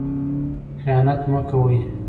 خیانت مه کوئ.